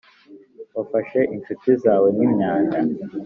wafashe inshuti zawe nkimyanda